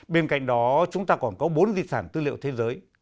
bên cạnh đó chúng ta còn có bốn di sản tư liệu thế giới